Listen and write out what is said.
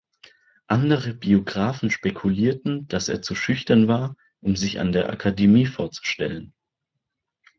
Andere Biographen spekulierten, dass er zu schüchtern war, um sich an der Akademie vorzustellen.